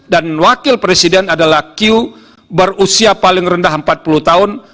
dan wakil presiden adalah q berusia paling rendah empat puluh tahun